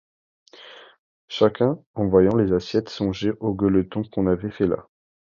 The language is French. Chacun, en voyant les assiettes, songeait aux gueuletons qu'on avait faits là.